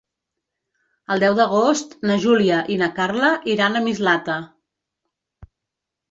El deu d'agost na Júlia i na Carla iran a Mislata.